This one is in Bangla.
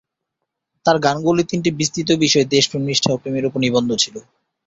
তার গানগুলি তিনটি বিস্তৃত বিষয়-দেশপ্রেম, নিষ্ঠা ও প্রেমের উপর নিবদ্ধ ছিল।